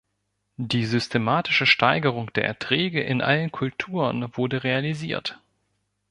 Die systematische Steigerung der Erträge in allen Kulturen wurde realisiert.